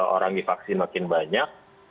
orang divaksin makin banyak